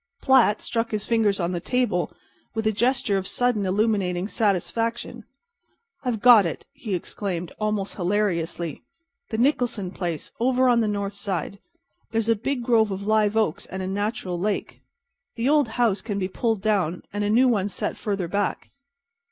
Platt struck his fingers on the table with a gesture of sudden, illuminating satisfaction. "I've got it!" he exclaimed, almost hilariously—"the Nicholson place, over on the north side. There's a big grove of live oaks and a natural lake. The old house can be pulled down and the new one set further back."